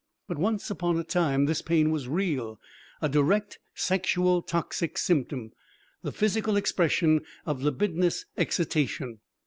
But once upon a time this pain was real, a direct sexual toxic symptom, the physical expression of libidinous excitation.